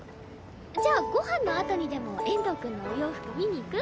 じゃあご飯のあとにでも遠藤くんのお洋服見に行く？